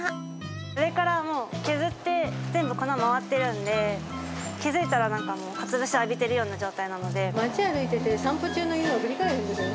上からもう削って、全部粉回ってるんで、気付いたらもう、かつお節浴びているような状態な街歩いてて、散歩中の犬が振り返るんですよね。